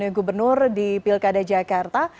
dengan gubernur di pilkada jakarta